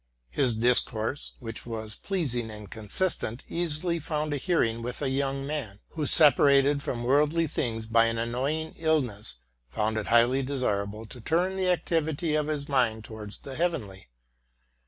His discourse, which was pleasing and consistent, easily 'found a hearing with a young man, who, separated from worldly things by an annoying illness, found it highly desirable to turn the activity of his mind towards the heavenly.